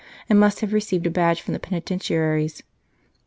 . and must have received a badge from the penitentaries.